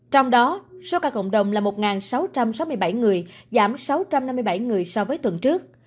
trong đó số ca cộng đồng là một sáu trăm sáu mươi bảy người giảm sáu trăm năm mươi bảy người so với tuần trước